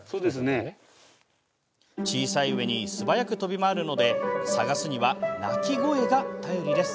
小さいうえに素早く飛び回るので探すには鳴き声が頼りです。